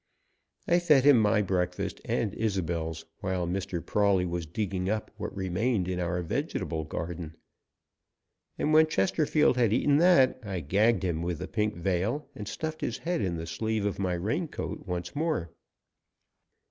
I fed him my breakfast and Isobel's while Mr. Prawley was digging up what remained in our vegetable garden, and when Chesterfield had eaten that I gagged him with the pink veil, and stuffed his head in the sleeve of my rain coat once more.